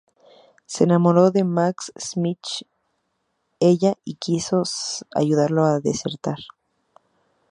Se enamoró de Max Schmidt ella y quiso ayudarlo a desertar.